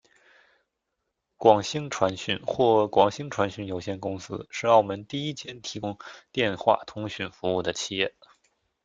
广星传讯或广星传讯有限公司是澳门第一间提供电话通讯服务的企业。